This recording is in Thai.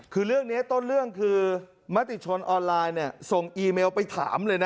คือเรื่องนี้ต้นเรื่องคือมติชนออนไลน์ส่งอีเมลไปถามเลยนะ